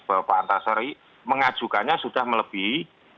bahwa pak antasari mengajukannya sudah melebihi